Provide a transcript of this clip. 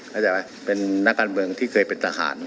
เข้าใจไหมเป็นนักการเมืองที่เคยเป็นทหาร